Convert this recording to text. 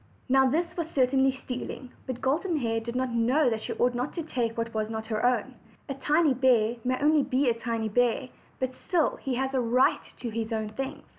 Now this was certainly stealing, but Golden Hair did not know that she ought not to take that which was not her own. A tiny bear may be only a tiny bear, but still he has a right to his own things.